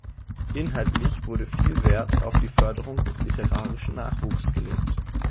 Inhaltlich wurde viel Wert auf die Förderung des literarischen Nachwuchs gelegt.